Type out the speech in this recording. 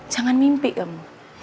jangan mimpi kamu